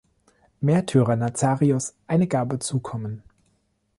Märtyrer Nazarius eine Gabe zukommen.